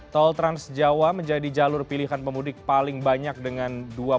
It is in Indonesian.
tol trans jawa menjadi jalur pilihan pemudik paling banyak dengan dua puluh empat satu